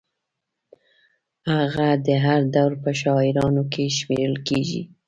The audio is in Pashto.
هغه د هر دور په شاعرانو کې شمېرل کېږي.